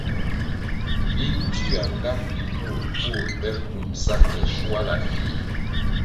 Vi tywia nga mbpi mur nvur pe kumbʼsa ke shuala fih.